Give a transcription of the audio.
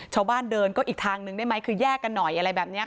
ชาวบ้านเดินก็อีกทางนึงได้ไหมคือแยกกันหน่อยอะไรแบบนี้